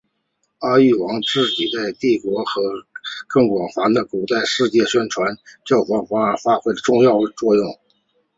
阿育王在自己的帝国和更广泛的古代世界传播佛教方面发挥了重要作用。